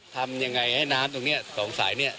ทำยังไงให้น้ำตรงนี้สองสายเนี่ย